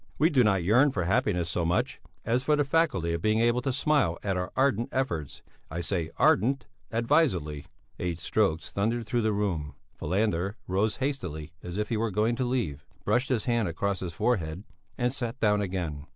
We do not yearn for happiness so much, as for the faculty of being able to smile at our ardent efforts. I say ardent advisedly." Eight strokes thundered through the room. Falander rose hastily as if he were going to leave, brushed his hand across his forehead and sat down again.